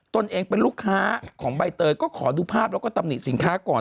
ตนเองเป็นลูกค้าของใบเตยก็ขอดูภาพแล้วก็ตำหนิสินค้าก่อน